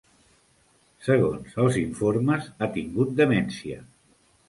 Segons els informes, ha tingut demència.